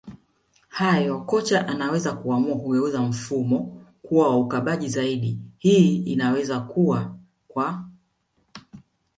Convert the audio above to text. hayo kocha anaweza kuamua kugeuza mfumo kuwa wa ukabaji zaidi hii inaweza kua kwa